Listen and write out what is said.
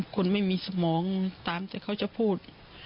คนไม่มีสมองตามแต่เขาจะพูด